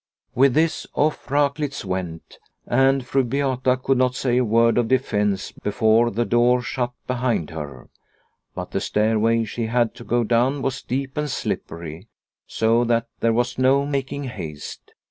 With this, off Raklitz went, and Fru Beata could not say a word of defence before the door shut behind her. But the stairway she had to go down was steep and slippery, so that 198 Liliecrona's Home there was no making haste.